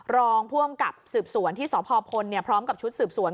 รองผู้อำกับสืบสวนที่สพพลพร้อมกับชุดสืบสวน